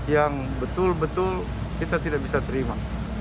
yang betul betul kita tidak bisa terima